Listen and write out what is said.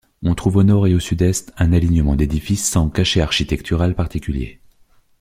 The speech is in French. On trouve au Nord et au Sud-Est un alignement d'édifices sans cachet architectural particulier.